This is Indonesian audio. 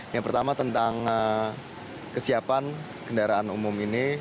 yang pertama tentang kesiapan kendaraan umum ini